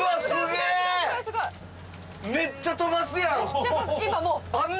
めっちゃ飛ばすやん！